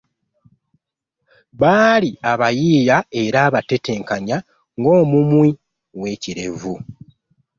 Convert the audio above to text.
Bbaali abayiiya era abatetenkanya ng’omumwi w’ekirevu.